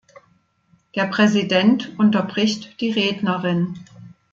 Der Präsident unterbricht die Rednerin.